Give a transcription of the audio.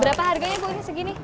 berapa harganya bu ini segini